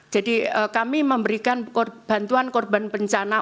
jadi kami memberikan bantuan korban bencana